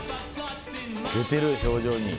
出てる表情に。